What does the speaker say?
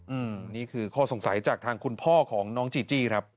อืมนี่คือข้อสงสัยจากทางคุณพ่อของน้องจีจี้ครับ